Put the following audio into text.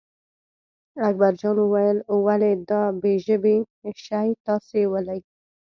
اکبرجان وویل ولې دا بې ژبې شی تاسې ولئ.